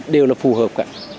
điều là phù hợp